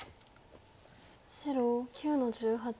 白９の十八。